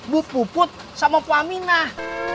bu puput sama pua minah